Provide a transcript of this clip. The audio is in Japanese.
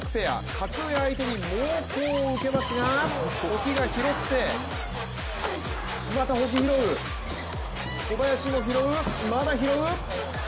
格上相手に猛攻を受けますが保木が拾って、また保木が広う小林も拾う、まだ拾う！